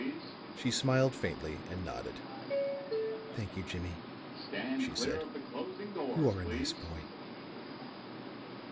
She smiled faintly, and nodded. "Thank you, Jimmie," she said. "You are a nice boy."